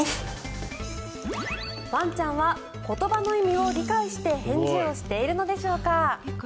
ワンちゃんは言葉の意味を理解して返事をしているのでしょうか。